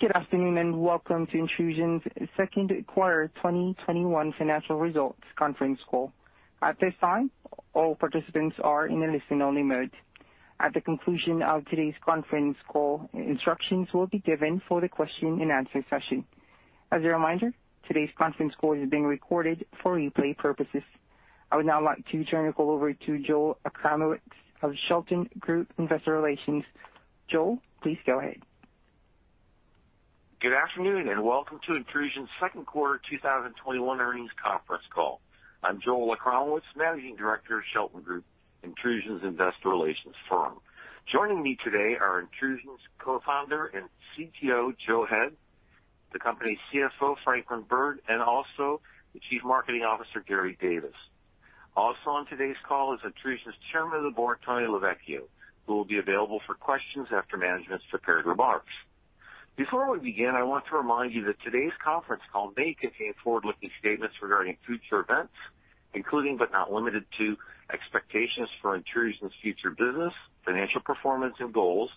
Good afternoon. Welcome to INTRUSION's second quarter 2021 financial results conference call. At this time, all participants are in a listen-only mode. At the conclusion of today's conference call, instructions will be given for the question and answer session. As a reminder, today's conference call is being recorded for replay purposes. I would now like to turn the call over to Joel Achramowicz of Shelton Group, Investor Relations. Joel, please go ahead. Good afternoon. Welcome to INTRUSION's second quarter 2021 earnings conference call. I'm Joel Achramowicz, Managing Director of Shelton Group, INTRUSION's investor relations firm. Joining me today are INTRUSION's Co-founder and CTO, Joe Head, the company's CFO, Franklin Byrd, and also the Chief Marketing Officer, Gary Davis. Also on today's call is INTRUSION's Chairman of the Board, Tony LeVecchio, who will be available for questions after management's prepared remarks. Before we begin, I want to remind you that today's conference call may contain forward-looking statements regarding future events, including, but not limited to, expectations for INTRUSION's future business, financial performance and goals,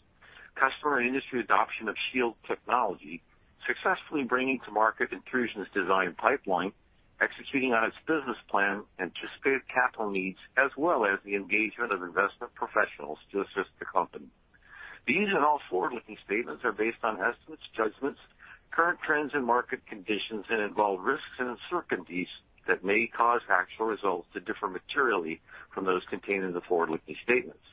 customer and industry adoption of Shield technology, successfully bringing to market INTRUSION's design pipeline, executing on its business plan, anticipated capital needs, as well as the engagement of investment professionals to assist the company. These and all forward-looking statements are based on estimates, judgments, current trends and market conditions, and involve risks and uncertainties that may cause actual results to differ materially from those contained in the forward-looking statements.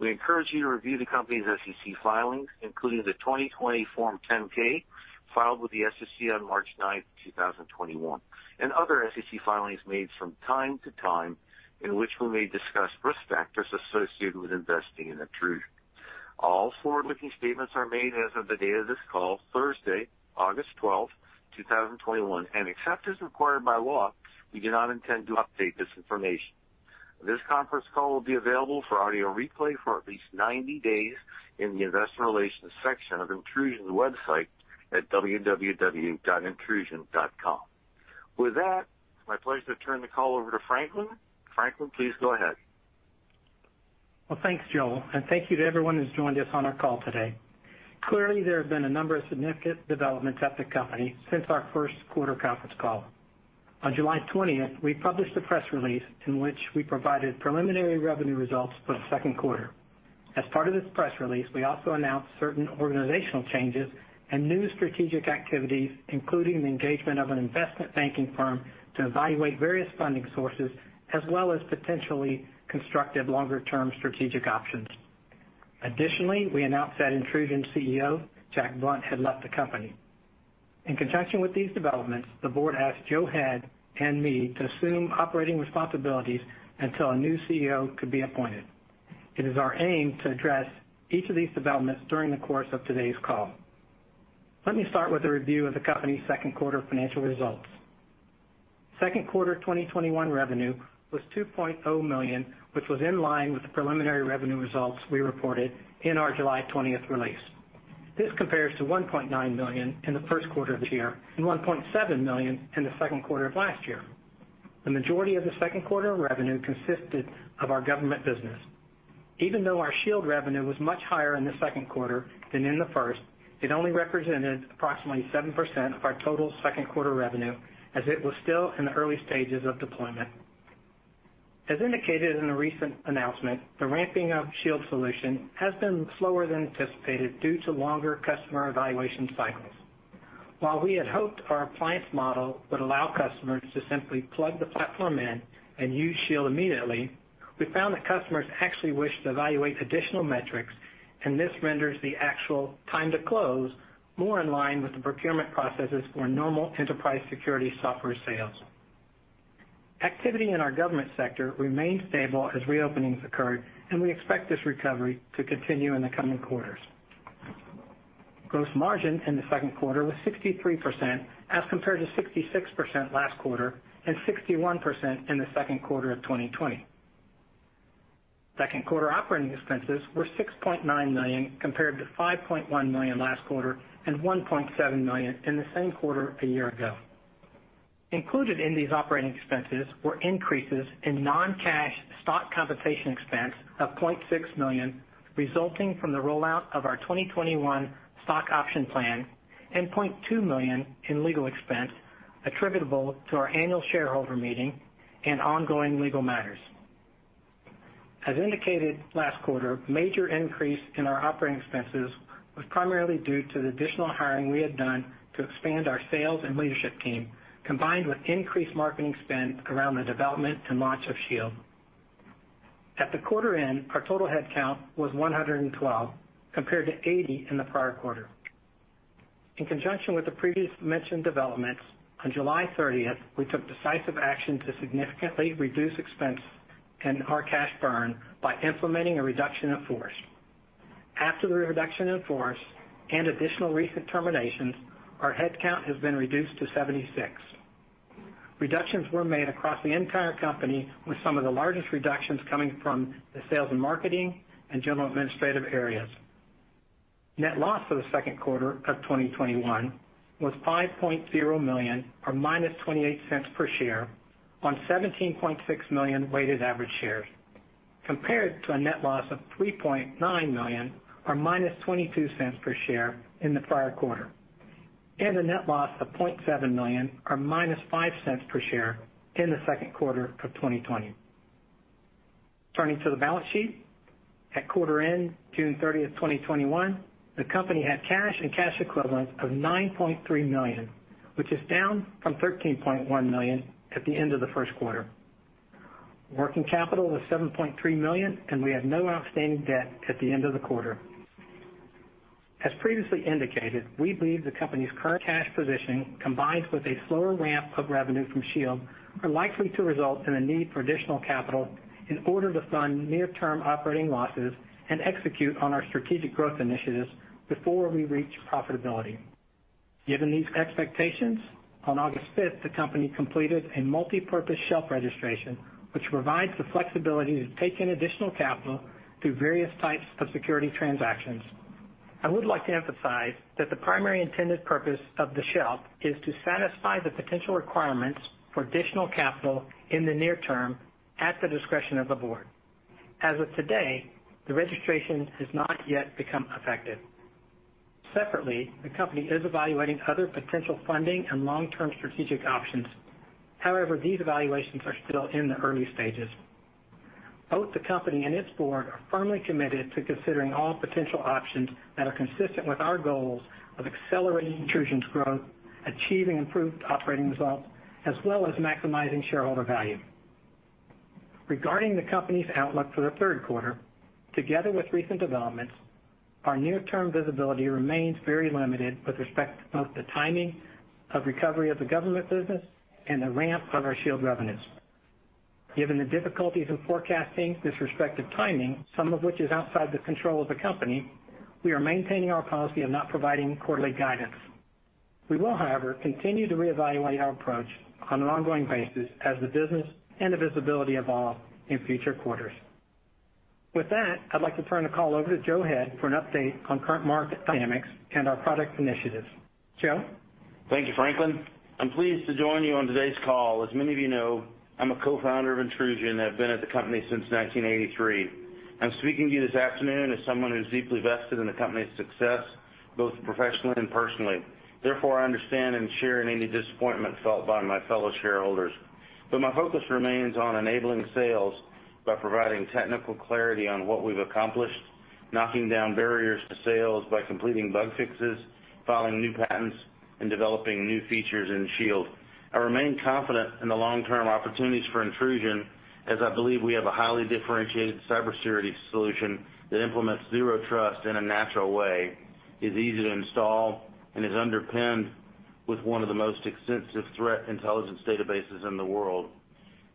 We encourage you to review the company's SEC filings, including the 2020 Form 10-K filed with the SEC on March 9th, 2021, and other SEC filings made from time to time, in which we may discuss risk factors associated with investing in INTRUSION. All forward-looking statements are made as of the date of this call, Thursday, August 12th, 2021, and except as required by law, we do not intend to update this information. This conference call will be available for audio replay for at least 90 days in the investor relations section of INTRUSION's website at www.INTRUSION.com. With that, it's my pleasure to turn the call over to Franklin. Franklin, please go ahead. Well, thanks, Joel, and thank you to everyone who's joined us on our call today. Clearly, there have been a number of significant developments at the company since our first quarter conference call. On July 20th, we published a press release in which we provided preliminary revenue results for the second quarter. As part of this press release, we also announced certain organizational changes and new strategic activities, including the engagement of an investment banking firm to evaluate various funding sources, as well as potentially constructive longer-term strategic options. Additionally, we announced that INTRUSION's CEO, Blount, had left the company. In conjunction with these developments, the board asked Joe Head and me to assume operating responsibilities until a new CEO could be appointed. It is our aim to address each of these developments during the course of today's call. Let me start with a review of the company's second quarter financial results. Second quarter 2021 revenue was $2.0 million, which was in line with the preliminary revenue results we reported in our July 20th release. This compares to $1.9 million in the first quarter of this year and $1.7 million in the second quarter of last year. The majority of the second quarter revenue consisted of our government business. Even though our Shield revenue was much higher in the second quarter than in the first, it only represented approximately 7% of our total second quarter revenue, as it was still in the early stages of deployment. As indicated in a recent announcement, the ramping of Shield solution has been slower than anticipated due to longer customer evaluation cycles. While we had hoped our appliance model would allow customers to simply plug the platform in and use Shield immediately, we found that customers actually wish to evaluate additional metrics. This renders the actual time to close more in line with the procurement processes for normal enterprise security software sales. Activity in our government sector remained stable as reopenings occurred. We expect this recovery to continue in the coming quarters. Gross margin in the second quarter was 63%, as compared to 66% last quarter and 61% in the second quarter of 2020. Second quarter operating expenses were $6.9 million, compared to $5.1 million last quarter and $1.7 million in the same quarter a year ago. Included in these operating expenses were increases in non-cash stock compensation expense of $0.6 million, resulting from the rollout of our 2021 stock option plan, and $0.2 million in legal expense attributable to our annual shareholder meeting and ongoing legal matters. As indicated last quarter, major increase in our operating expenses was primarily due to the additional hiring we had done to expand our sales and leadership team, combined with increased marketing spend around the development and launch of Shield. At the quarter end, our total headcount was 112, compared to 80 in the prior quarter. In conjunction with the previously mentioned developments, on July 30th, we took decisive action to significantly reduce expense and our cash burn by implementing a reduction in force. After the reduction in force and additional recent terminations, our headcount has been reduced to 76. Reductions were made across the entire company, with some of the largest reductions coming from the sales and marketing and general administrative areas. Net loss for the second quarter of 2021 was $5.0 million, or -$0.28 per share on 17.6 million weighted average shares. Compared to a net loss of $3.9 million or -$0.22 per share in the prior quarter, and a net loss of $0.7 million or -$0.05 per share in the second quarter of 2020. Turning to the balance sheet. At quarter end, June 30th, 2021, the company had cash and cash equivalents of $9.3 million, which is down from $13.1 million at the end of the first quarter. Working capital was $7.3 million, and we had no outstanding debt at the end of the quarter. As previously indicated, we believe the company's current cash position, combined with a slower ramp of revenue from Shield, are likely to result in a need for additional capital in order to fund near-term operating losses and execute on our strategic growth initiatives before we reach profitability. Given these expectations, on August 5th, the company completed a multi-purpose shelf registration, which provides the flexibility to take in additional capital through various types of security transactions. I would like to emphasize that the primary intended purpose of the shelf is to satisfy the potential requirements for additional capital in the near term at the discretion of the board. As of today, the registration has not yet become effective. Separately, the company is evaluating other potential funding and long-term strategic options. However, these evaluations are still in the early stages. Both the company and its board are firmly committed to considering all potential options that are consistent with our goals of accelerating INTRUSION's growth, achieving improved operating results, as well as maximizing shareholder value. Regarding the company's outlook for the third quarter, together with recent developments, our near-term visibility remains very limited with respect to both the timing of recovery of the government business and the ramp of our Shield revenues. Given the difficulties in forecasting this respective timing, some of which is outside the control of the company, we are maintaining our policy of not providing quarterly guidance. We will, however, continue to reevaluate our approach on an ongoing basis as the business and the visibility evolve in future quarters. With that, I'd like to turn the call over to Joe Head for an update on current market dynamics and our product initiatives. Joe? Thank you, Franklin. I'm pleased to join you on today's call. As many of you know, I'm a co-founder of INTRUSION and have been at the company since 1983. I'm speaking to you this afternoon as someone who's deeply vested in the company's success, both professionally and personally. Therefore, I understand and share in any disappointment felt by my fellow shareholders. My focus remains on enabling sales by providing technical clarity on what we've accomplished, knocking down barriers to sales by completing bug fixes, filing new patents, and developing new features in Shield. I remain confident in the long-term opportunities for INTRUSION, as I believe we have a highly differentiated cybersecurity solution that implements zero trust in a natural way, is easy to install, and is underpinned with one of the most extensive threat intelligence databases in the world.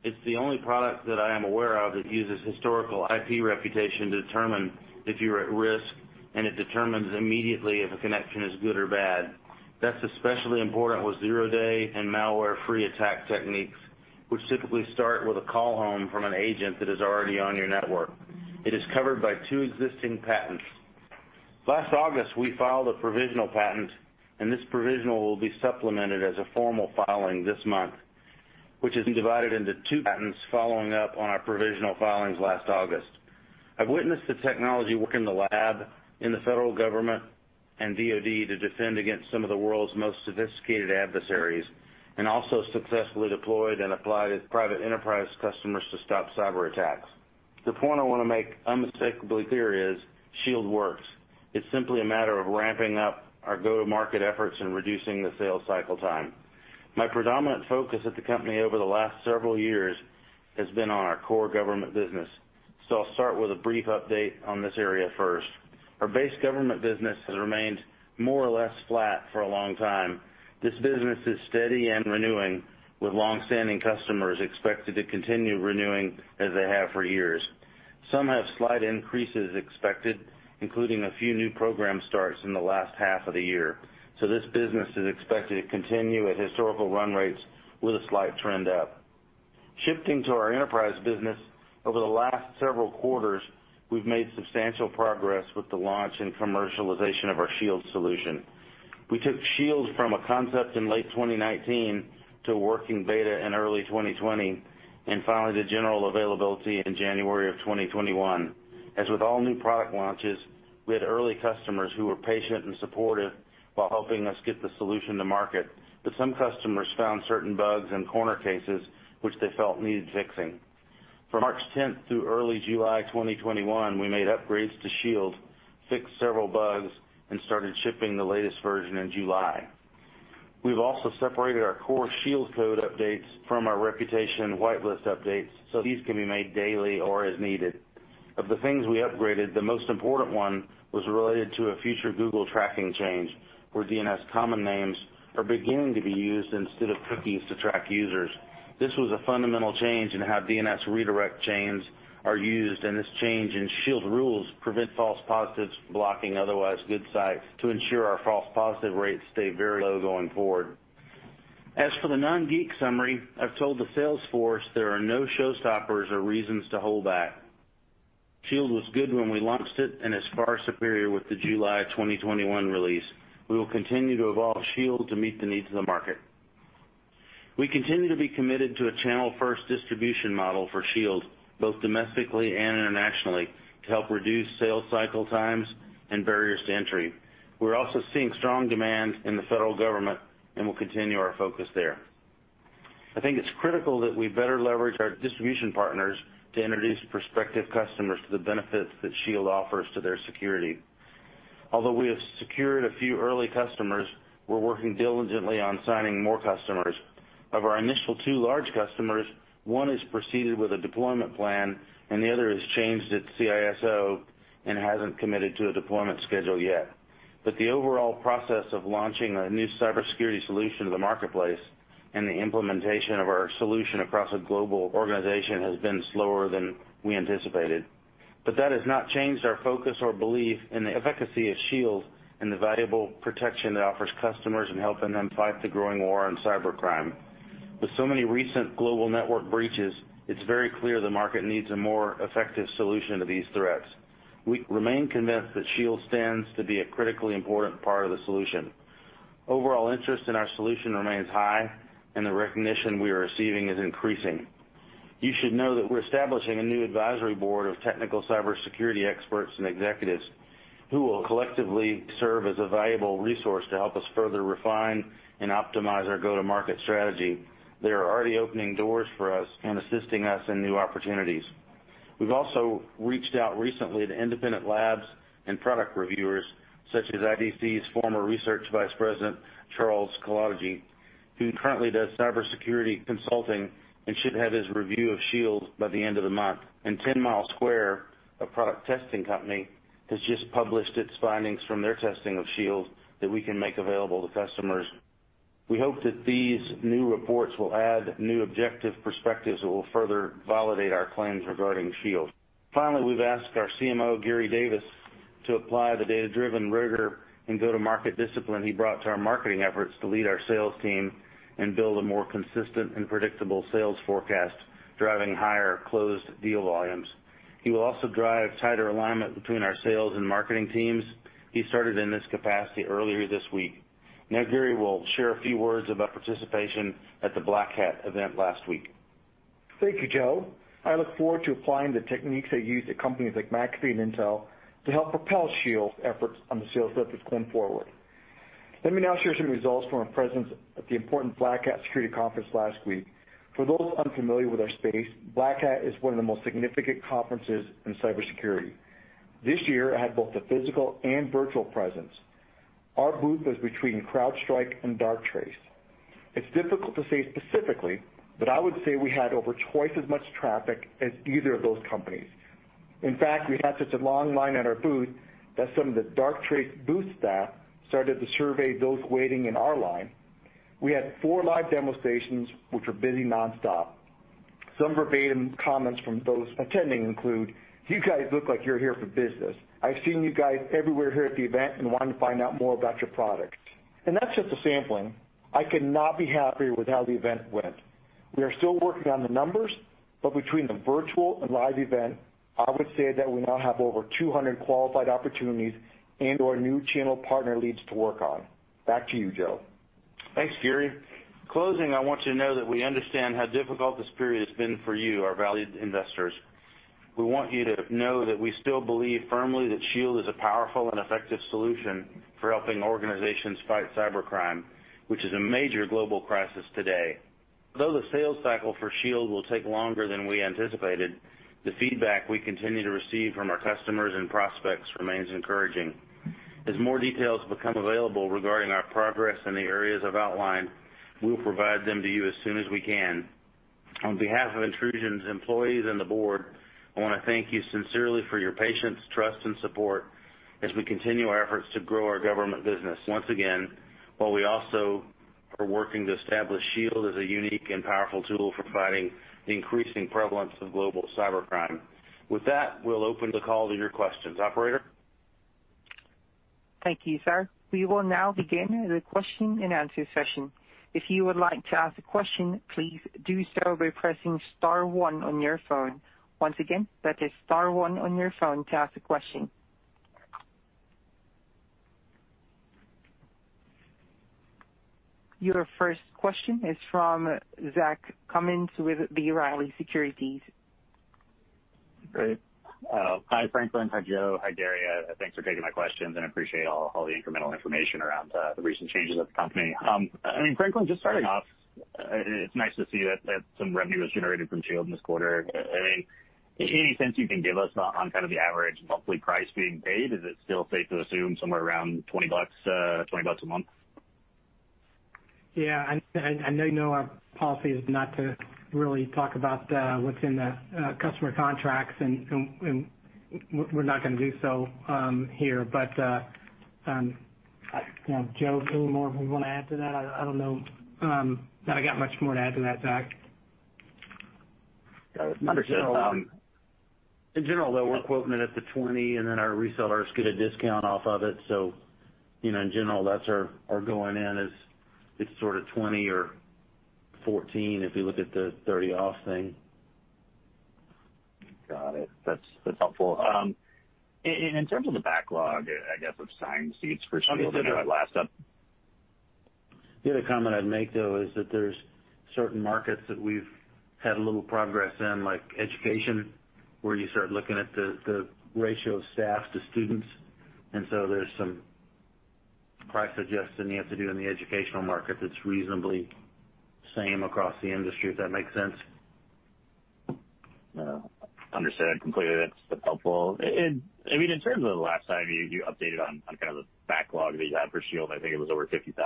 It's the only product that I am aware of that uses historical IP reputation to determine if you're at risk, and it determines immediately if a connection is good or bad. That's especially important with zero-day and malware-free attack techniques, which typically start with a call home from an agent that is already on your network. It is covered by two existing patents. Last August, we filed a provisional patent, and this provisional will be supplemented as a formal filing this month, which is being divided into two patents following up on our provisional filings last August. I've witnessed the technology work in the lab, in the federal government and DoD to defend against some of the world's most sophisticated adversaries, and also successfully deployed and applied at private enterprise customers to stop cyberattacks. The point I want to make unmistakably clear is Shield works. It's simply a matter of ramping up our go-to-market efforts and reducing the sales cycle time. My predominant focus at the company over the last several years has been on our core government business. I'll start with a brief update on this area first. Our base government business has remained more or less flat for a long time. This business is steady and renewing, with long-standing customers expected to continue renewing as they have for years. Some have slight increases expected, including a few new program starts in the last half of the year. This business is expected to continue at historical run rates with a slight trend up. Shifting to our enterprise business, over the last several quarters, we've made substantial progress with the launch and commercialization of our Shield solution. We took Shield from a concept in late 2019 to a working beta in early 2020, and finally to general availability in January of 2021. As with all new product launches, we had early customers who were patient and supportive while helping us get the solution to market. Some customers found certain bugs and corner cases which they felt needed fixing. From March 10th through early July 2021, we made upgrades to Shield, fixed several bugs, and started shipping the latest version in July. We've also separated our core Shield code updates from our reputation whitelist updates, so these can be made daily or as needed. Of the things we upgraded, the most important one was related to a future Google tracking change, where DNS common names are beginning to be used instead of cookies to track users. This was a fundamental change in how DNS redirect chains are used. This change in Shield rules prevent false positives, blocking otherwise good sites to ensure our false positive rates stay very low going forward. As for the non-geek summary, I've told the sales force there are no showstoppers or reasons to hold back. Shield was good when we launched it. It's far superior with the July 2021 release. We will continue to evolve Shield to meet the needs of the market. We continue to be committed to a channel-first distribution model for Shield, both domestically and internationally, to help reduce sales cycle times and barriers to entry. We're also seeing strong demand in the federal government. We will continue our focus there. I think it's critical that we better leverage our distribution partners to introduce prospective customers to the benefits that Shield offers to their security. Although we have secured a few early customers, we're working diligently on signing more customers. Of our initial two large customers, one has proceeded with a deployment plan and the other has changed its CISO and hasn't committed to a deployment schedule yet. The overall process of launching a new cybersecurity solution to the marketplace and the implementation of our solution across a global organization has been slower than we anticipated. That has not changed our focus or belief in the efficacy of Shield and the valuable protection it offers customers in helping them fight the growing war on cybercrime. With so many recent global network breaches, it's very clear the market needs a more effective solution to these threats. We remain convinced that Shield stands to be a critically important part of the solution. Overall interest in our solution remains high and the recognition we are receiving is increasing. You should know that we're establishing a new advisory board of technical cybersecurity experts and executives who will collectively serve as a valuable resource to help us further refine and optimize our go-to-market strategy. They are already opening doors for us and assisting us in new opportunities. We've also reached out recently to independent labs and product reviewers such as IDC's former research Vice President, Charles Kolodgy, who currently does cybersecurity consulting and should have his review of Shield by the end of the month. Ten Mile Square, a product testing company, has just published its findings from their testing of Shield that we can make available to customers. We hope that these new reports will add new objective perspectives that will further validate our claims regarding Shield. We've asked our CMO, Gary Davis, to apply the data-driven rigor and go-to-market discipline he brought to our marketing efforts to lead our sales team and build a more consistent and predictable sales forecast, driving higher closed deal volumes. He will also drive tighter alignment between our sales and marketing teams. He started in this capacity earlier this week. Gary will share a few words about participation at the Black Hat event last week. Thank you, Joe. I look forward to applying the techniques I used at companies like McAfee and Intel to help propel Shield's efforts on the sales efforts going forward. Let me now share some results from our presence at the important Black Hat security conference last week. For those unfamiliar with our space, Black Hat is one of the most significant conferences in cybersecurity. This year, it had both a physical and virtual presence. Our booth was between CrowdStrike and Darktrace. It's difficult to say specifically, but I would say we had over twice as much traffic as either of those companies. In fact, we had such a long line at our booth that some of the Darktrace booth staff started to survey those waiting in our line. We had four live demo stations, which were busy nonstop. Some verbatim comments from those attending include, you guys look like you're here for business. I've seen you guys everywhere here at the event and wanted to find out more about your products. That's just a sampling. I could not be happier with how the event went. We are still working on the numbers, but between the virtual and live event, I would say that we now have over 200 qualified opportunities and/or new channel partner leads to work on. Back to you, Joe. Thanks, Gary. In closing, I want you to know that we understand how difficult this period has been for you, our valued investors. We want you to know that we still believe firmly that Shield is a powerful and effective solution for helping organizations fight cybercrime, which is a major global crisis today. Although the sales cycle for Shield will take longer than we anticipated, the feedback we continue to receive from our customers and prospects remains encouraging. As more details become available regarding our progress in the areas I've outlined, we will provide them to you as soon as we can. On behalf of INTRUSION's employees and the board, I want to thank you sincerely for your patience, trust and support as we continue our efforts to grow our government business once again, while we also are working to establish Shield as a unique and powerful tool for fighting the increasing prevalence of global cybercrime. With that, we'll open the call to your questions. Operator? Thank you, sir. We will now begin the question and answer session. If you would like to ask a question, please do so by pressing star one on your phone. Once again, that is star one on your phone to ask a question. Your first question is from Zach Cummins with B. Riley Securities. Great. Hi, Franklin. Hi, Joe. Hi, Gary. Thanks for taking my questions and appreciate all the incremental information around the recent changes at the company. Franklin, just starting off, it's nice to see that some revenue was generated from Shield this quarter. Any sense you can give us on the average monthly price being paid? Is it still safe to assume somewhere around $20 a month? Yeah, I know you know our policy is not to really talk about what's in the customer contracts, and we're not going to do so here. Joe, do you want to add to that? I don't know that I got much more to add to that, Zach. In general, though, we're quoting it at the $20 and then our resellers get a discount off of it. In general, that's our going in is it's sort of $20 or $14 if you look at the $30 off thing. Got it. That's helpful. In terms of the backlog, I guess, of signed seats for Shield. I'll get to that. For our last update. The other comment I'd make, though, is that there's certain markets that we've had a little progress in, like education, where you start looking at the ratio of staff to students. There's some price adjusting you have to do in the educational market that's reasonably same across the industry, if that makes sense. Understood completely. That's helpful. In terms of the last time you updated on the backlog that you had for Shield, I think it was over $50,000.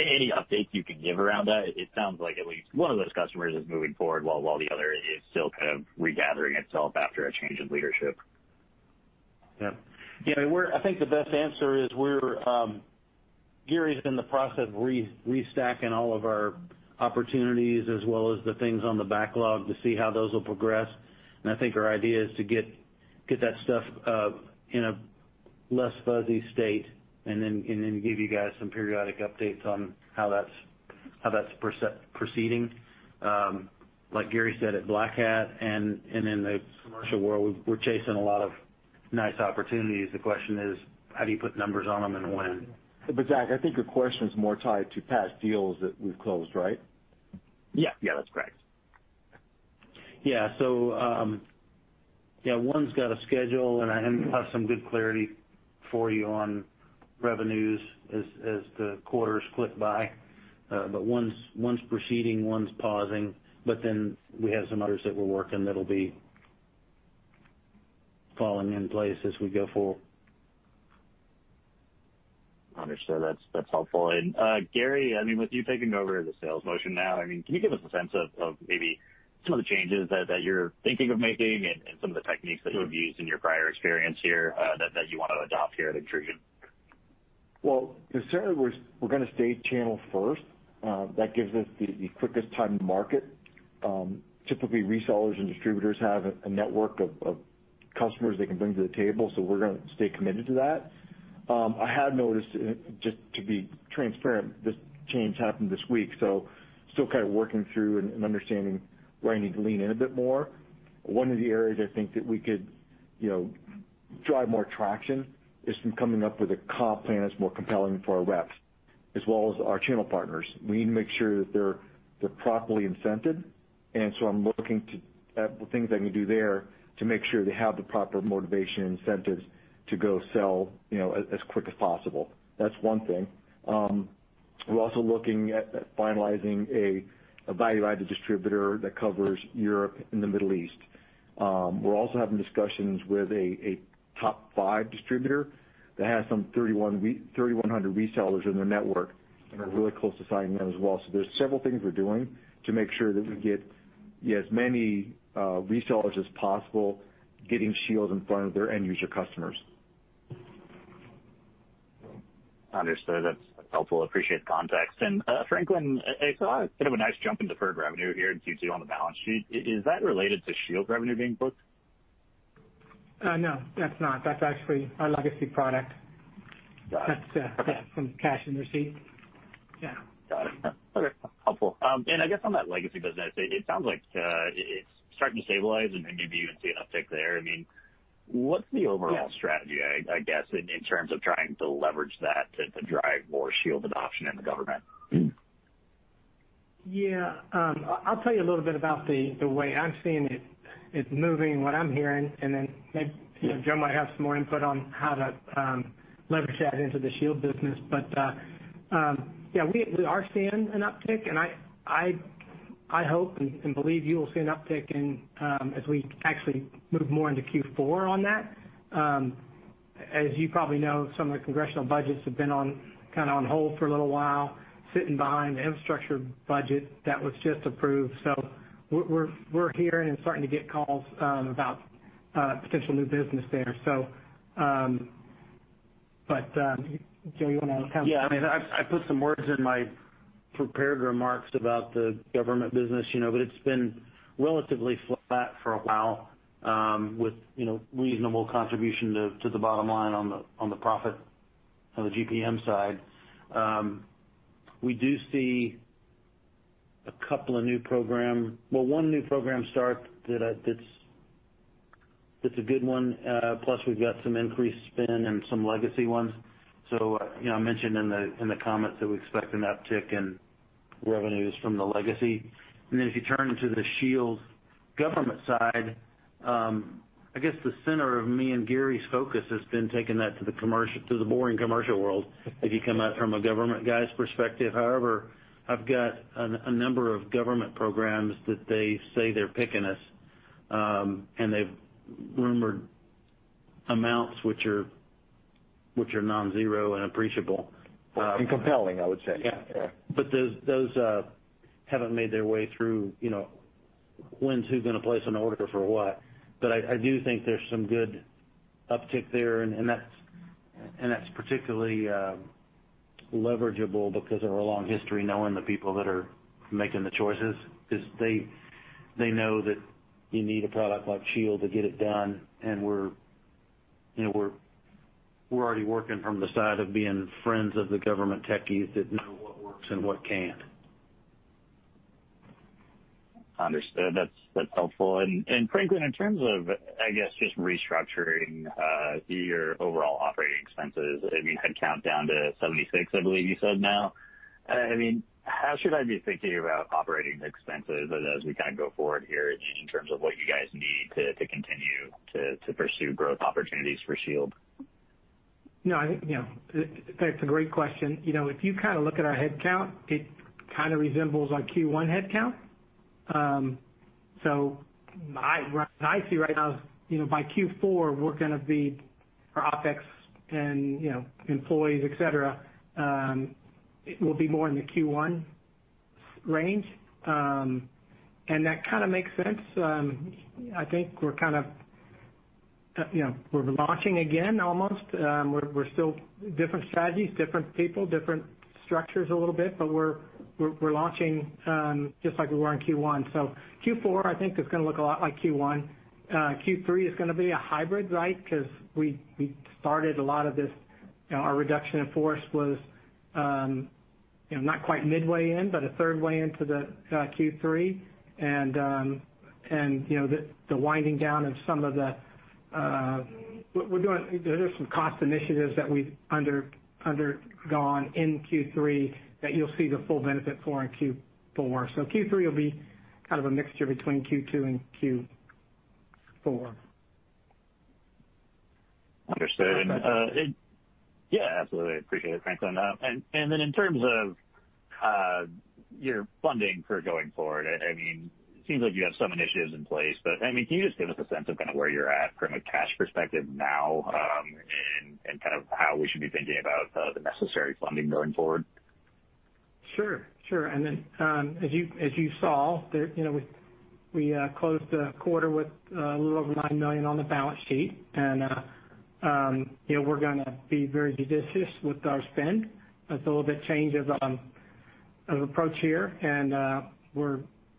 Any updates you can give around that? It sounds like at least one of those customers is moving forward, while the other is still regathering itself after a change in leadership. Yeah. I think the best answer is, Gary's in the process of restacking all of our opportunities, as well as the things on the backlog to see how those will progress. I think our idea is to get that stuff in a less fuzzy state and then give you guys some periodic updates on how that's proceeding. Like Gary said, at Black Hat and in the commercial world, we're chasing a lot of nice opportunities. The question is, how do you put numbers on them and when? Zach, I think your question is more tied to past deals that we've closed, right? Yeah. That's correct. Yeah. One's got a schedule, and I have some good clarity for you on revenues as the quarters click by. One's proceeding, one's pausing. We have some others that we're working that'll be falling in place as we go forward. Understood. That's helpful. Gary, with you taking over the sales motion now, can you give us a sense of maybe some of the changes that you're thinking of making and some of the techniques that you have used in your prior experience here that you want to adopt here at INTRUSION? Well, necessarily, we're going to stay channel first. That gives us the quickest time to market. Typically, resellers and distributors have a network of customers they can bring to the table, so we're going to stay committed to that. I have noticed, just to be transparent, this change happened this week, so still kind of working through and understanding where I need to lean in a bit more. One of the areas I think that we could drive more traction is from coming up with a comp plan that's more compelling for our reps, as well as our channel partners. We need to make sure that they're properly incented, and so I'm looking at the things I can do there to make sure they have the proper motivation incentives to go sell as quick as possible. That's one thing. We're also looking at finalizing a value-added distributor that covers Europe and the Middle East. We're also having discussions with a top five distributor that has some 3,100 resellers in their network, and are really close to signing them as well. There's several things we're doing to make sure that we get as many resellers as possible getting INTRUSION Shield in front of their end user customers. Understood. That's helpful. Appreciate the context. Franklin, I saw a bit of a nice jump in deferred revenue here in Q2 on the balance sheet. Is that related to Shield revenue being booked? No, that's not. That's actually our legacy product. Got it. Okay. That's from cash and receipt. Yeah. Got it. Okay. Helpful. I guess on that legacy business, it sounds like it's starting to stabilize and maybe even see an uptick there. What's the overall strategy, I guess, in terms of trying to leverage that to drive more Shield adoption in the government? Yeah. I'll tell you a little bit about the way I'm seeing it moving, what I'm hearing, and then maybe Joe might have some more input on how to leverage that into the Shield business. Yeah, we are seeing an uptick, and I hope and believe you will see an uptick as we actually move more into Q4 on that. As you probably know, some of the congressional budgets have been on hold for a little while, sitting behind the infrastructure budget that was just approved. We're hearing and starting to get calls about potential new business there. Joe, you want to comment? I put some words in my prepared remarks about the government business. It's been relatively flat for a while with reasonable contribution to the bottom line on the profit, on the GPM side. We do see one new program start that's a good one. Plus, we've got some increased spend and some legacy ones. I mentioned in the comments that we expect an uptick in revenues from the legacy. If you turn to the Shield government side, I guess the center of me and Gary's focus has been taking that to the boring commercial world, if you come at it from a government guy's perspective. However, I've got a number of government programs that they say they're picking us, and they've rumored amounts which are non-zero and appreciable. Compelling, I would say. Yeah. Those haven't made their way through when's who gonna place an order for what. I do think there's some good uptick there, and that's particularly leverageable because of our long history knowing the people that are making the choices, because they know that you need a product like Shield to get it done, and we're already working from the side of being friends of the government techies that know what works and what can't. Understood. That's helpful. Franklin, in terms of, I guess, just restructuring your overall operating expenses, I mean, headcount down to 76, I believe you said now. How should I be thinking about operating expenses as we go forward here, just in terms of what you guys need to continue to pursue growth opportunities for Shield? No, I think that's a great question. If you look at our headcount, it kind of resembles our Q1 headcount. What I see right now, by Q4, our OpEx and employees, et cetera, it will be more in the Q1 range. That kind of makes sense. I think we're launching again, almost. Different strategies, different people, different structures a little bit, but we're launching, just like we were in Q1. Q4, I think, is going to look a lot like Q1. Q3 is going to be a hybrid because we started a lot of this, our reduction in force was not quite midway in, but a third way into the Q3. The winding down of some cost initiatives that we've undergone in Q3 that you'll see the full benefit for in Q4. Q3 will be kind of a mixture between Q2 and Q4. Understood. Yeah, absolutely. Appreciate it, Franklin. In terms of your funding for going forward, it seems like you have some initiatives in place, but can you just give us a sense of where you're at from a cash perspective now, and how we should be thinking about the necessary funding going forward? Sure. As you saw, we closed the quarter with a little over $9 million on the balance sheet, and we're gonna be very judicious with our spend. That's a little bit change of approach here, and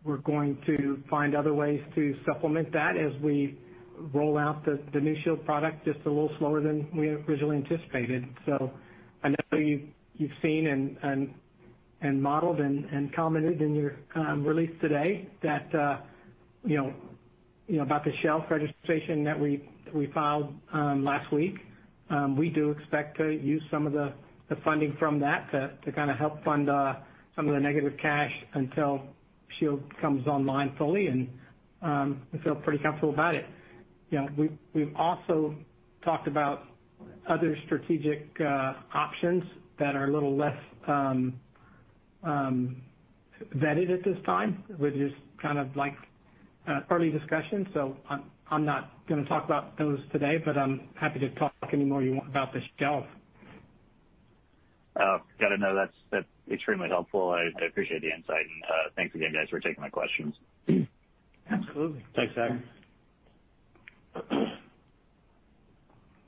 we're going to find other ways to supplement that as we roll out the new Shield product, just a little slower than we had originally anticipated. I know you've seen and modeled and commented in your release today about the shelf registration that we filed last week. We do expect to use some of the funding from that to help fund some of the negative cash until Shield comes online fully, and we feel pretty comfortable about it. We've also talked about other strategic options that are a little less vetted at this time. We're just kind of early discussions, so I'm not going to talk about those today, but I'm happy to talk any more you want about the shelf. Good to know. That's extremely helpful. I appreciate the insight, and thanks again, guys, for taking my questions. Absolutely. Thanks, Zach.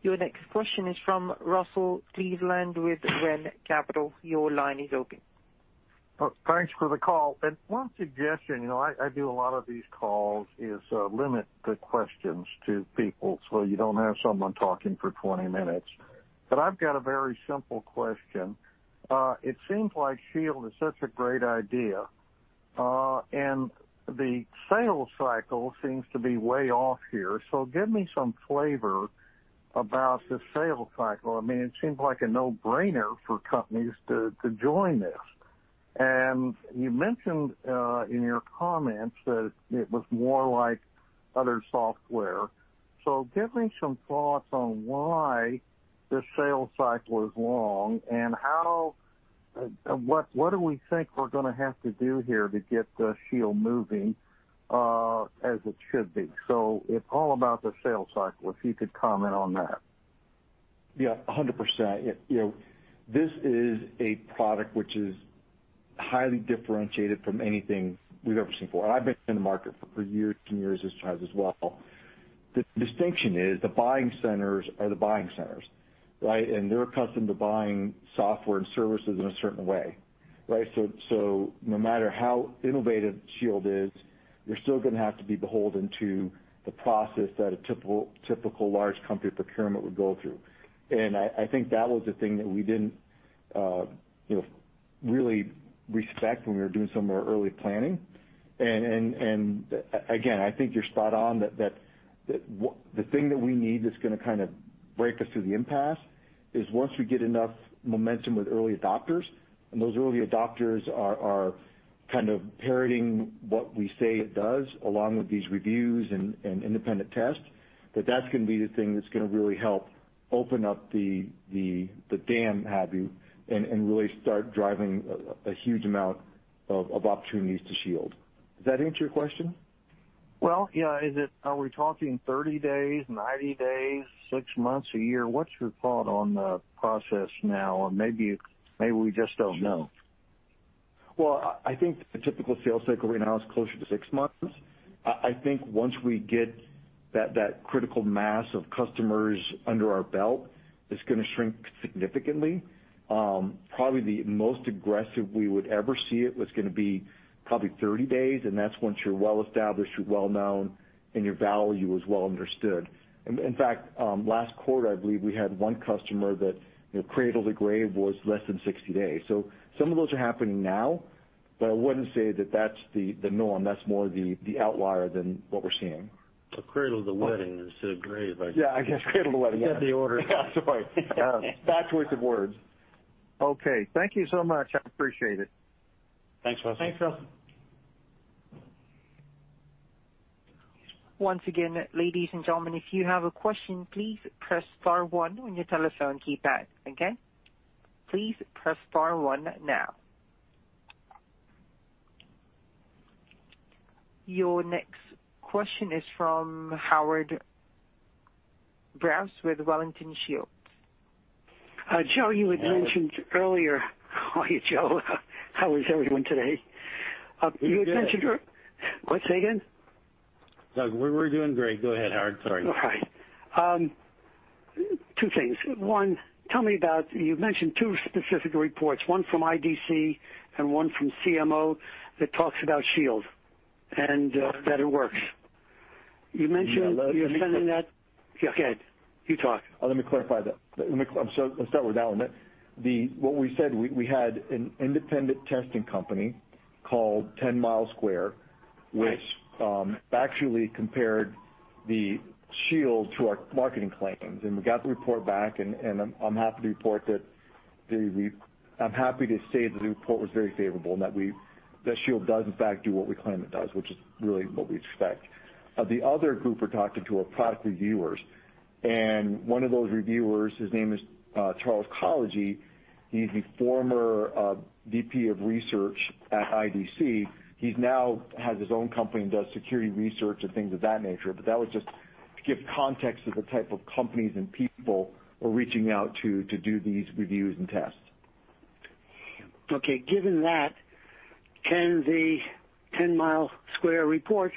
Your next question is from Russell Cleveland with RENN Capital. Your line is open. Thanks for the call. One suggestion, I do a lot of these calls, is limit the questions to people so you don't have someone talking for 20 minutes. I've got a very simple question. It seems like Shield is such a great idea, and the sales cycle seems to be way off here. Give me some flavor about the sales cycle. It seems like a no-brainer for companies to join this. You mentioned in your comments that it was more like other software. Give me some thoughts on why the sales cycle is long and what do we think we're going to have to do here to get the Shield moving as it should be. It's all about the sales cycle, if you could comment on that? Yeah, 100%. This is a product which is highly differentiated from anything we've ever seen before. I've been in the market for years and years as well. The distinction is the buying centers are the buying centers, right? They're accustomed to buying software and services in a certain way, right? No matter how innovative Shield is, you're still going to have to be beholden to the process that a typical large company procurement would go through. I think that was the thing that we didn't really respect when we were doing some of our early planning. Again, I think you're spot on that the thing that we need that's going to kind of break us through the impasse is once we get enough momentum with early adopters, and those early adopters are kind of parroting what we say it does, along with these reviews and independent tests, that that's going to be the thing that's going to really help open up the dam, and really start driving a huge amount of opportunities to Shield. Does that answer your question? Well, yeah. Are we talking 30 days, 90 days, six months, a year? What's your thought on the process now? Maybe we just don't know. Well, I think the typical sales cycle right now is closer to six months. I think once we get that critical mass of customers under our belt, it's going to shrink significantly. Probably the most aggressive we would ever see it was going to be probably 30 days. That's once you're well established, you're well known, and your value is well understood. In fact, last quarter, I believe we had one customer that cradle to grave was less than 60 days. Some of those are happening now, but I wouldn't say that's the norm. That's more the outlier than what we're seeing. Cradle to wedding instead of grave, I guess. Yeah, I guess, cradle to wedding. Get the order. Yeah, sorry. Bad choice of words. Okay. Thank you so much. I appreciate it. Thanks, Russell. Thanks, Russell. Once again, ladies and gentlemen, if you have a question, please press star one on your telephone keypad. Okay? Please press star one now. Your next question is from Howard Brous with Wellington Shields. Hi, Joe. Hi, Joe. How is everyone today? We're good. You had mentioned what? Say again. No, we're doing great. Go ahead, Howard. Sorry. All right. Two things. One, you've mentioned two specific reports, one from IDC and one from CMO, that talks about Shield and that it works. Yeah. You're sending that Go ahead. You talk. Let me clarify that. Let's start with that one then. What we said, we had an independent testing company called Ten Mile Square which actually compared the Shield to our marketing claims. We got the report back, and I'm happy to say that the report was very favorable and that Shield does in fact do what we claim it does, which is really what we expect. The other group we're talking to are product reviewers. One of those reviewers, his name is Charles Kolodgy. He's the former VP of Research at IDC. He now has his own company and does security research and things of that nature. That was just to give context to the type of companies and people we're reaching out to do these reviews and tests. Okay, given that, can the Ten Mile Square report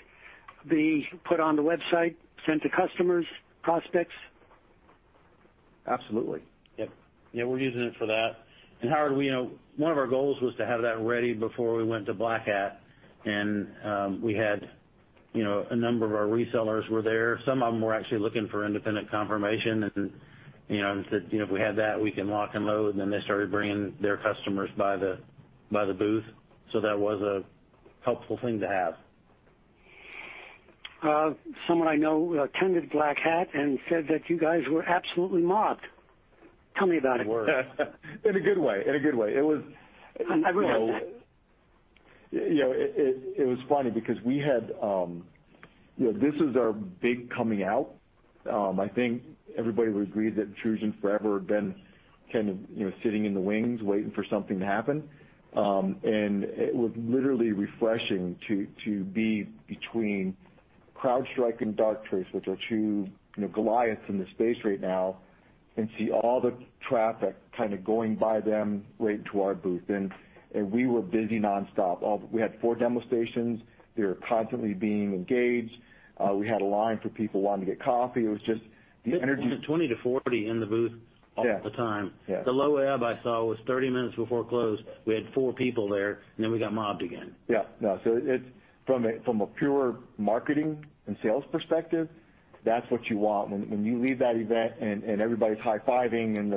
be put on the website, sent to customers, prospects? Absolutely. Yep. Yeah, we're using it for that. Howard, one of our goals was to have that ready before we went to Black Hat, and we had a number of our resellers were there. Some of them were actually looking for independent confirmation and said if we had that, we can lock and load, and then they started bringing their customers by the booth. That was a helpful thing to have. Someone I know attended Black Hat and said that you guys were absolutely mobbed. Tell me about it. We were. In a good way. I realize that. It was funny because this is our big coming out. I think everybody would agree that INTRUSION forever had been kind of sitting in the wings waiting for something to happen. It was literally refreshing to be between CrowdStrike and Darktrace, which are two Goliaths in the space right now, and see all the traffic kind of going by them right to our booth. We were busy nonstop. We had four demo stations. They were constantly being engaged. We had a line for people wanting to get coffee. It was just the energy. 20-40 in the booth all of the time. Yeah. The low ebb I saw was 30 minutes before close, we had 4 people there, and then we got mobbed again. Yeah. From a pure marketing and sales perspective, that's what you want. When you leave that event and everybody's high-fiving and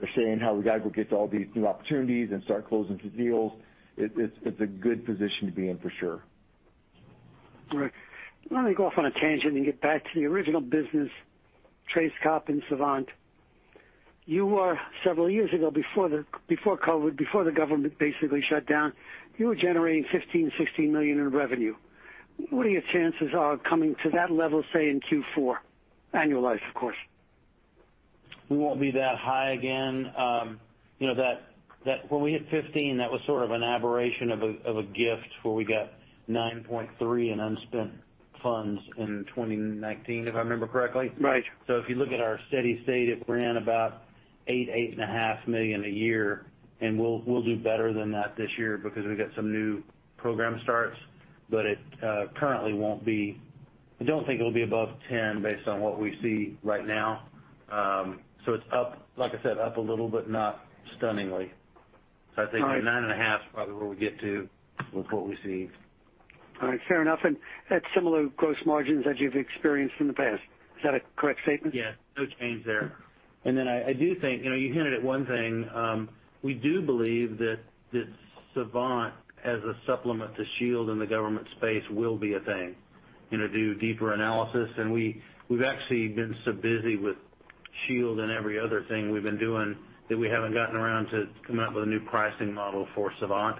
they're saying how we got to go get all these new opportunities and start closing some deals, it's a good position to be in, for sure. Right. Let me go off on a tangent and get back to the original business, TraceCop and Savant. Several years ago, before COVID, before the government basically shut down, you were generating $15 million, $16 million in revenue. What are your chances of coming to that level, say, in Q4? Annualized, of course. We won't be that high again. When we hit $15 million, that was sort of an aberration of a gift where we got $9.3 million in unspent funds in 2019, if I remember correctly. Right. If you look at our steady state, it ran about $8.5 Million a year. We'll do better than that this year because we've got some new program starts. I don't think it'll be above $10 million based on what we see right now. It's, like I said, up a little, but not stunningly. All right. $9.5 million is probably where we'll get to with what we see. All right, fair enough. That's similar gross margins that you've experienced in the past. Is that a correct statement? Yeah, no change there. I do think, you hinted at one thing, we do believe that Savant, as a supplement to Shield in the government space, will be a thing. Do deeper analysis, and we've actually been so busy with Shield and every other thing we've been doing that we haven't gotten around to coming up with a new pricing model for Savant.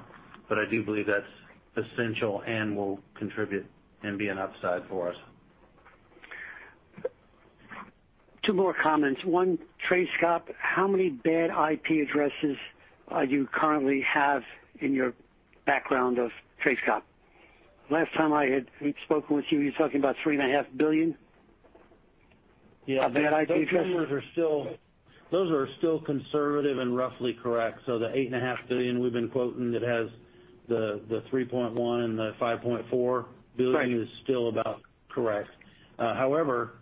I do believe that's essential and will contribute and be an upside for us. Two more comments. One, TraceCop, how many bad IP addresses do you currently have in your background of TraceCop? Last time I had spoken with you were talking about 3.5 billion. Yeah. Those numbers are still conservative and roughly correct. The 8.5 billion we've been quoting that has the 3.1 billion and the 5.4 billion. Right is still about correct. However,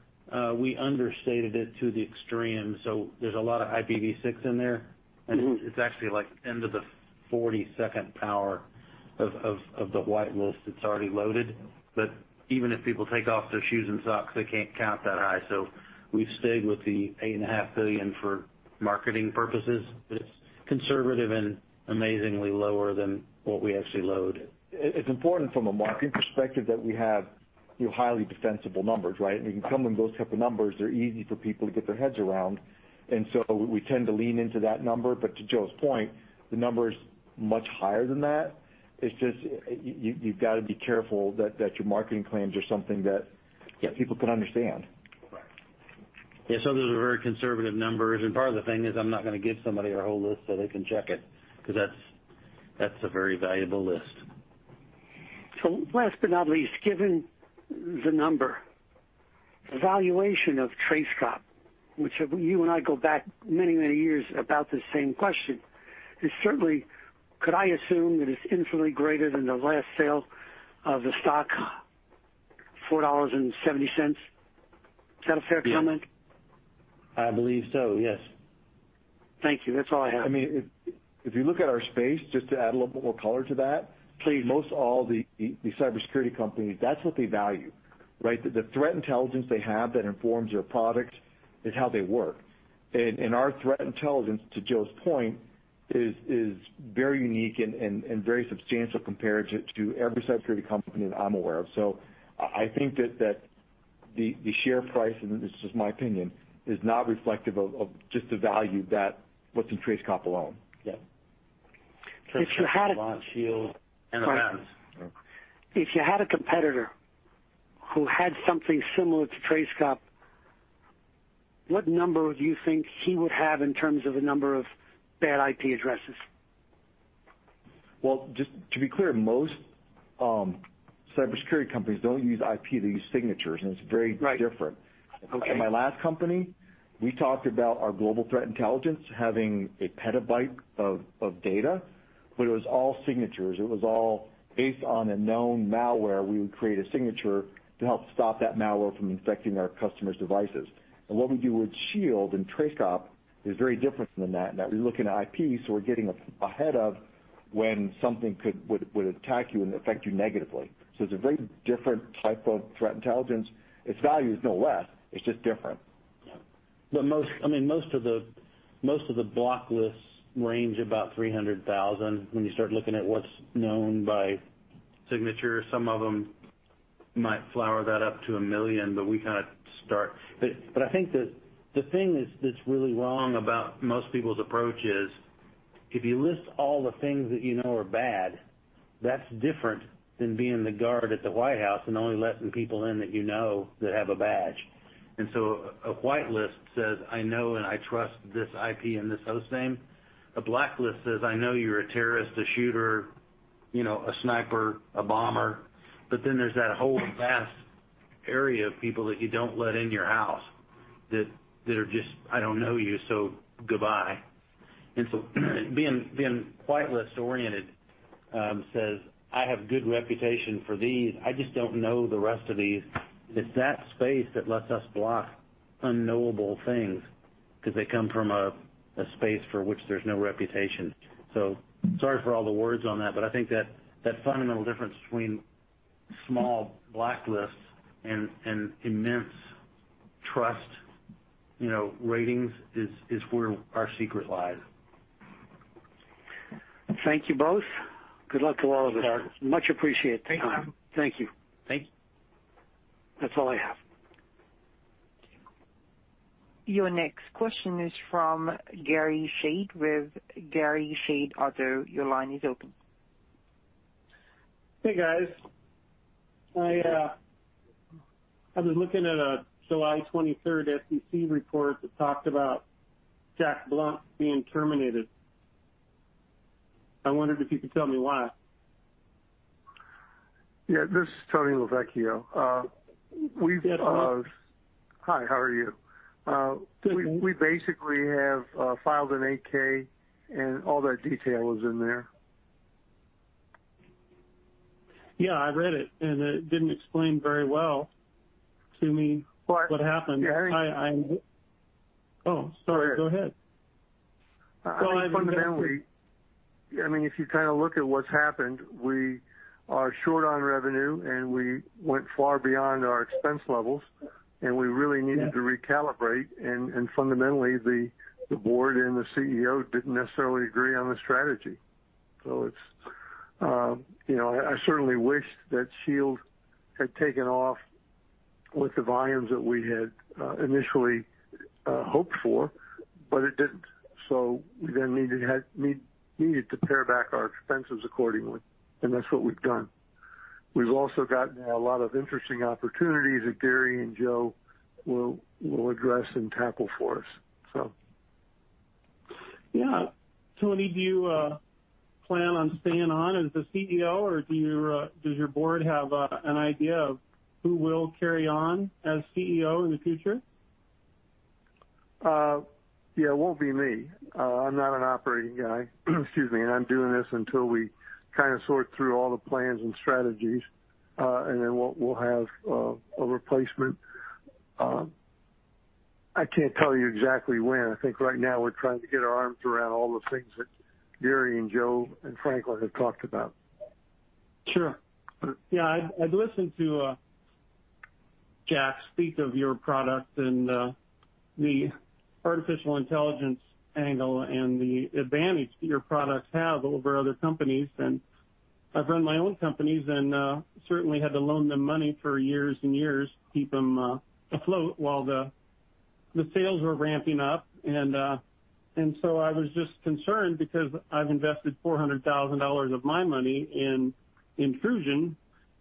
we understated it to the extreme, so there's a lot of IPv6 in there. It's actually like 10 to the 42nd power of the whitelist that's already loaded. Even if people take off their shoes and socks, they can't count that high. We've stayed with the eight and a half billion for marketing purposes, but it's conservative and amazingly lower than what we actually load. It's important from a marketing perspective that we have highly defensible numbers, right? When you come with those type of numbers, they're easy for people to get their heads around. We tend to lean into that number. To Joe's point, the number is much higher than that. It's just, you've got to be careful that your marketing claims are something that. Yeah people can understand. Right. Yeah. Those are very conservative numbers, and part of the thing is I'm not going to give somebody our whole list so they can check it, because that's a very valuable list. Last but not least, given the number, the valuation of INTRUSION TraceCop, which you and I go back many, many years about this same question, could I assume that it's infinitely greater than the last sale of the stock, $4.70? Is that a fair comment? I believe so, yes. Thank you. That's all I have. If you look at our space, just to add a little bit more color to that. Please most all the cybersecurity companies, that's what they value, right? The threat intelligence they have that informs their product is how they work. Our threat intelligence, to Joe's point, is very unique and very substantial compared to every cybersecurity company that I'm aware of. I think that the share price, and this is just my opinion, is not reflective of just the value that's in TraceCop alone. Yeah. That include Shield, and the rest. If you had a competitor who had something similar to TraceCop, what number do you think he would have in terms of the number of bad IP addresses? Well, just to be clear, most cybersecurity companies don't use IP. They use signatures, and it's very different. At my last company, we talked about our global threat intelligence having a petabyte of data. It was all signatures. It was all based on a known malware. We would create a signature to help stop that malware from infecting our customers' devices. What we do with Shield and TraceCop is very different than that, in that we're looking at IP. We're getting ahead of when something would attack you and affect you negatively. It's a very different type of threat intelligence. Its value is no less. It's just different. Most of the blacklist range about 300,000 when you start looking at what's known by signature. Some of them might flower that up to 1 million, but I think the thing that's really wrong about most people's approach is if you list all the things that you know are bad, that's different than being the guard at the White House and only letting people in that you know that have a badge. A whitelist says, I know and I trust this IP and this host name. A blacklist says, I know you're a terrorist, a shooter, a sniper, a bomber. There's that whole vast area of people that you don't let in your house, that are just, I don't know you, so goodbye. Being whitelist oriented says, I have good reputation for these. I just don't know the rest of these. It's that space that lets us block unknowable things, because they come from a space for which there's no reputation. Sorry for all the words on that, but I think that fundamental difference between small blacklists and immense trust ratings is where our secret lies. Thank you both. Good luck to all of us. Thank you. Much appreciated. Thank you. Thank you. Thank you. That's all I have. Your next question is from Gary Schade with Gary Schade Auto. Your line is open. Hey, guys. I've been looking at a July 23rd SEC report that talked about Jack Blount being terminated. I wondered if you could tell me why. Yeah. This is Tony LeVecchio. Yeah, Tony. Hi, how are you? Good. We basically have filed an 8-K, and all that detail is in there. Yeah, I read it, and it didn't explain very well to me. Well. What happened. Gary. Oh, sorry. Go ahead. I think fundamentally, if you look at what's happened, we are short on revenue, and we went far beyond our expense levels, and we really needed to recalibrate. Fundamentally, the board and the CEO didn't necessarily agree on the strategy. I certainly wish that Shield had taken off with the volumes that we had initially hoped for, but it didn't. We then needed to pare back our expenses accordingly, and that's what we've done. We've also gotten a lot of interesting opportunities that Gary and Joe will address and tackle for us. Yeah. Tony, do you plan on staying on as the CEO, or does your board have an idea of who will carry on as CEO in the future? Yeah, it won't be me. I'm not an operating guy, excuse me, and I'm doing this until we sort through all the plans and strategies, and then we'll have a replacement. I can't tell you exactly when. I think right now we're trying to get our arms around all the things that Gary and Joe and Franklin have talked about. Sure. Yeah. I've listened to Jack speak of your product and the artificial intelligence angle and the advantage that your products have over other companies. I've run my own companies and certainly had to loan them money for years and years to keep them afloat while the sales were ramping up. I was just concerned because I've invested $400,000 of my money in INTRUSION,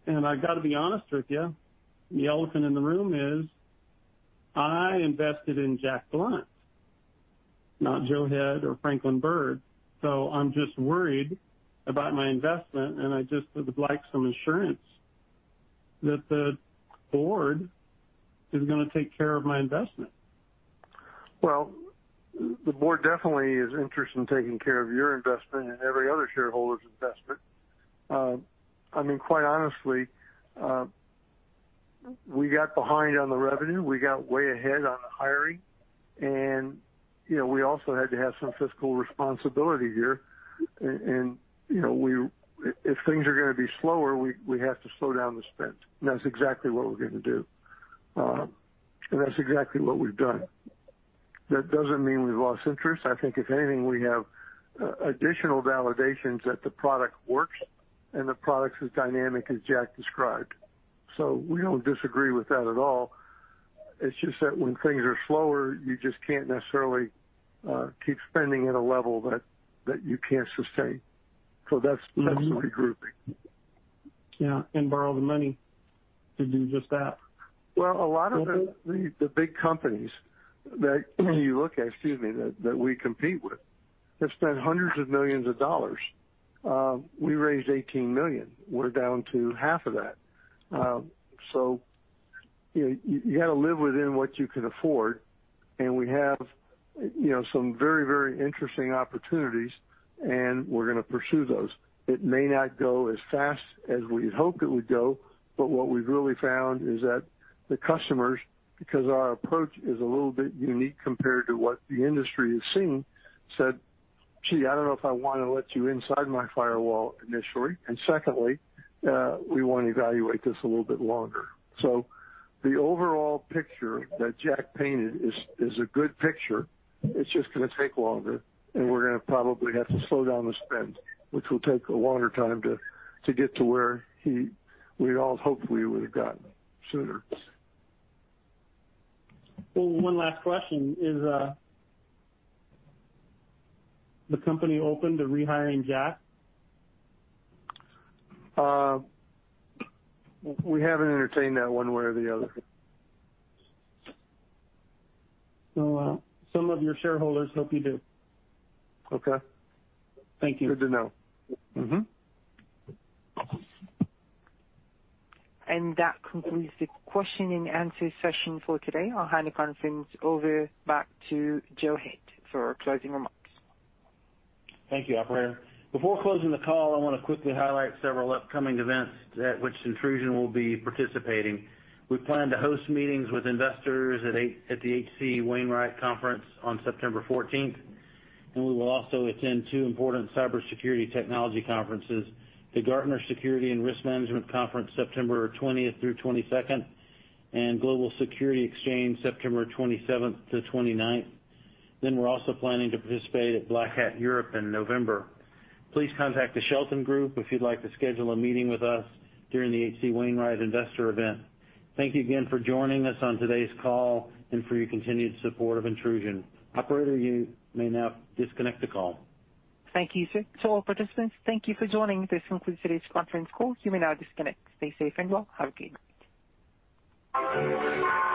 and I got to be honest with you, the elephant in the room is I invested in Jack Blount, not Joe Head or Franklin Byrd. I'm just worried about my investment, and I just would like some assurance that the board is going to take care of my investment. The board definitely is interested in taking care of your investment and every other shareholder's investment. Quite honestly, we got behind on the revenue. We got way ahead on the hiring, we also had to have some fiscal responsibility here. If things are going to be slower, we have to slow down the spend. That's exactly what we're going to do. That's exactly what we've done. That doesn't mean we've lost interest. I think if anything, we have additional validations that the product works and the product's as dynamic as Jack described. We don't disagree with that at all. It's just that when things are slower, you just can't necessarily keep spending at a level that you can't sustain. That's regrouping. Yeah, borrow the money to do just that. A lot of the big companies that you look at, excuse me, that we compete with have spent hundreds of millions of dollars. We raised $18 million. We're down to half of that. You got to live within what you can afford, and we have some very interesting opportunities, and we're going to pursue those. It may not go as fast as we'd hoped it would go, but what we've really found is that the customers, because our approach is a little bit unique compared to what the industry has seen, said, see, I don't know if I want to let you inside my firewall initially." Secondly, we want to evaluate this a little bit longer. The overall picture that Jack painted is a good picture. It's just going to take longer, and we're going to probably have to slow down the spend, which will take a longer time to get to where we all hoped we would've gotten sooner. Well, one last question. Is the company open to rehiring Jack? We haven't entertained that one way or the other. Some of your shareholders hope you do. Okay. Thank you. Good to know. That concludes the question and answer session for today. I'll hand conference over back to Joe Head for closing remarks. Thank you, operator. Before closing the call, I want to quickly highlight several upcoming events at which INTRUSION will be participating. We plan to host meetings with investors at the H.C. Wainwright Conference on September 14th, and we will also attend two important cybersecurity technology conferences, the Gartner Security & Risk Management Summit, September 20th through 22nd, and Global Security Exchange, September 27th to 29th. We're also planning to participate at Black Hat Europe in November. Please contact the Shelton Group if you'd like to schedule a meeting with us during the H.C. Wainwright investor event. Thank you again for joining us on today's call and for your continued support of INTRUSION. Operator, you may now disconnect the call. Thank you, sir. To all participants, thank you for joining. This concludes today's conference call. You may now disconnect. Stay safe and well. Have a good night.